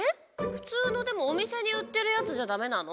ふつうのでもおみせにうってるやつじゃダメなの？